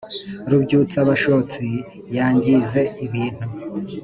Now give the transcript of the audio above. rubyutsa bashotsi yangize ibintu